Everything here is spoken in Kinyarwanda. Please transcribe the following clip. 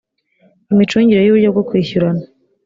imicungire y’uburyo bwo kwishyurana